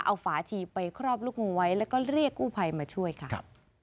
เอาฝาชีไปครอบลูกงูไว้แล้วก็เรียกกู้ภัยมาช่วยค่ะ